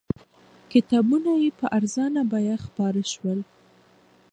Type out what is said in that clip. کتابونه یې په ارزانه بیه خپاره شول.